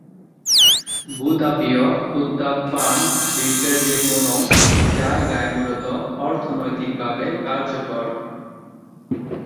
ভূ-তাপীয় উত্তাপ পাম্প বিশ্বের যে কোনও জায়গায় মূলত অর্থনৈতিকভাবে কার্যকর।